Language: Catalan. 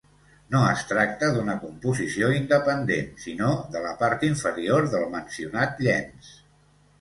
No es tracta d'una composició independent, sinó de la part inferior del mencionat llenç.